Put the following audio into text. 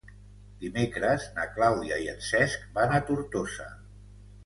Dimecres na Clàudia i en Cesc van a Tortosa.